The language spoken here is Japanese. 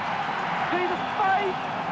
スクイズ失敗！